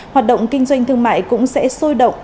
hoạt động kinh doanh thương mại cũng sẽ sôi động